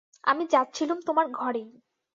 আমি যাচ্ছিলুম তোমার ঘরেই।